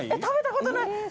食べたことない！